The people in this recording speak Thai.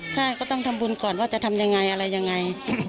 ใช่ก็ต้องทำบุญก่อนว่าจะทำยังไงอะไรยังไง